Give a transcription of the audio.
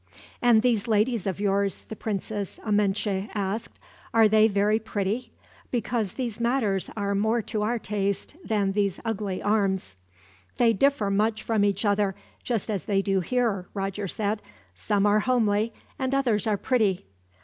"And these ladies of yours," the Princess Amenche asked; "are they very pretty? Because these matters are more to our taste than these ugly arms." "They differ much from each other, just as they do here," Roger said. "Some are homely, and others are pretty."